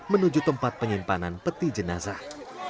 menuju tempat penyimpanan peti jenazah